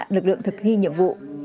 lực lượng thực thi nhiệm vụ